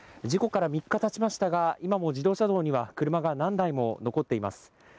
事故から３日たちましたが、今も自動車道には車が何台も残っています。